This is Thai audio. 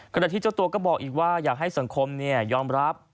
เจ้าที่เจ้าตัวก็บอกอีกว่าอยากให้สังคมยอมรับ